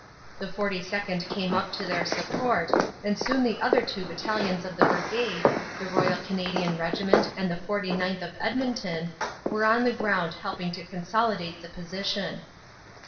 The 42nd. came up to their support, and soon the other two battalions of the Brigade, the Royal Canadian Regiment and the 49th. of Edmonton, were on the ground helping to consolidate the position.